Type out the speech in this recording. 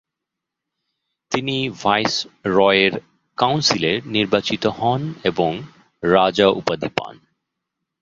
তিনি ভাইসরয়ের কাউন্সিলে নির্বাচিত হন এবং “রাজা” উপাধি পান।